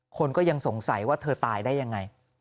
คนก็ยังสงสัยว่าเธอตายได้ยังไง